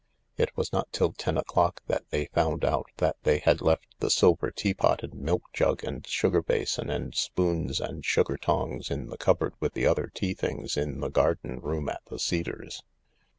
It was not till ten o'clock that they found out that they had left the silver tea pot and milk jug and sugar basin and spoons and sugar tongs in the cupboard with the other tea things in the garden room at the Cedars.